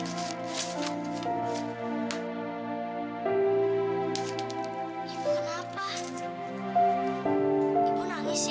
kalau kamu sampai kecoh kecoh siang ini